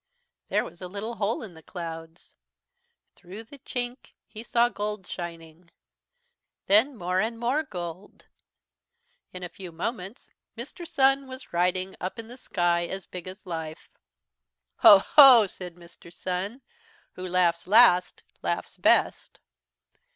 "There was a little hole in the clouds. Through the chink he saw gold shining. Then more and more gold. In a few moments Mr. Sun was riding up in the sky, as big as life. "'Ho, ho!' said Mr. Sun, 'who laughs last, laughs best.'